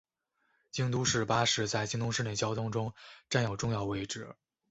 京都市巴士在京都市内交通中占有重要位置。